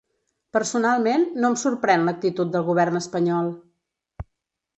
Personalment, no em sorprèn l’actitud del govern espanyol.